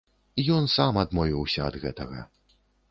Ён сам адмовіўся ад гэтага.